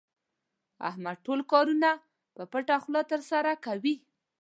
احمد ټول کارونه په پټه خوله ترسره کوي.